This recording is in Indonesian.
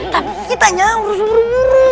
tapi kita jalan buru buru